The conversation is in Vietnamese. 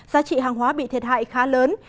giá trị hàng hóa bị thiệt hại khá lớn